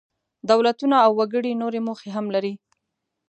دولتونه او وګړي نورې موخې هم لري.